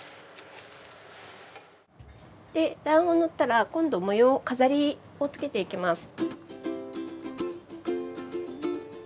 卵黄塗ったら今度模様飾りをつけていきます。